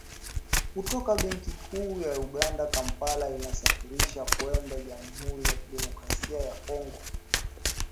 kutoka Benki Kuu ya Uganda, Kampala inasafirisha kwenda jamuhuri ya kidemokrasia ya Kongo